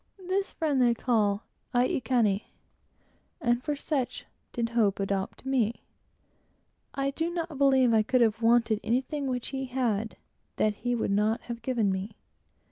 This friend they call aikane; and for such did Hope adopt me. I do not believe I could have wanted anything which he had, that he would not have given me.